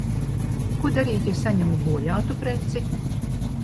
Ko darīt, ja saņemu bojātu preci?